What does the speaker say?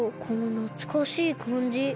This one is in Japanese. このなつかしいかんじ。